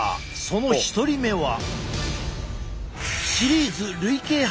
その１人目は。